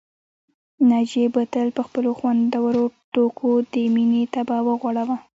ناجيې به تل په خپلو خوندورو ټوکو د مينې طبع وغوړاوه